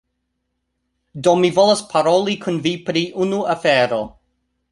Do, mi volas paroli kun vi pri unu afero